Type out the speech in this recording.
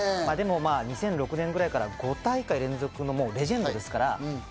でも２００６年ぐらいから５大会連続のレジェンドですから。